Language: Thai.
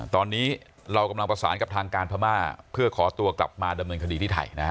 ตอนนี้เรากำลังประสานกับทางการพม่าเพื่อขอตัวกลับมาดำเนินคดีที่ไทยนะฮะ